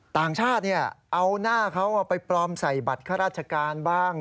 ต่างชาติเอาหน้าเขาไปปลอมใส่บัตรข้าราชการบ้าง